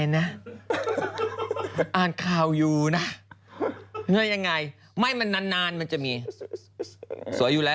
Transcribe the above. มันใหญ่มาเมื่ออะไรแล้วก็ใส่ปันให้แล้วเลย